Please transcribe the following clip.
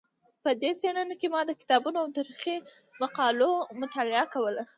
په دې څېړنه کې ما د کتابونو او تاریخي مقالو مطالعه کوله.